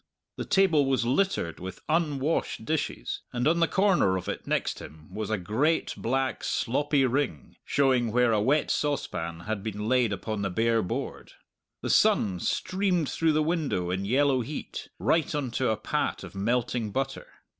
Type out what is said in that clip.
The table was littered with unwashed dishes, and on the corner of it next him was a great black sloppy ring, showing where a wet saucepan had been laid upon the bare board. The sun streamed through the window in yellow heat right on to a pat of melting butter.